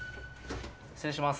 失礼します。